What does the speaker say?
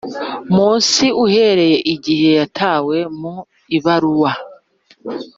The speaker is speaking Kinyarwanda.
munsi uhereye igihe yahawe mu ibaruwa